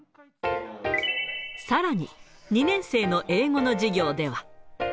さらに２年生の英語の授業では。